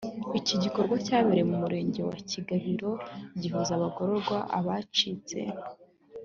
iki gikorwa cyabereye mu murenge wa kigabiro gihuza abagororwa abacitse